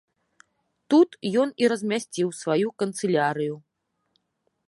Тут ён і размясціў сваю канцылярыю.